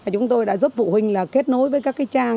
chúng tôi đã giúp phụ huynh kết nối với các trang